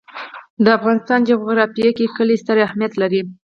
د افغانستان جغرافیه کې کلي ستر اهمیت لري.